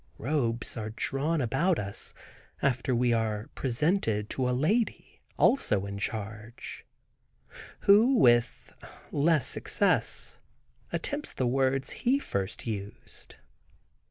Robes are drawn about us, after we are presented to a lady, also in his charge, who, with less success, attempts the words he first used.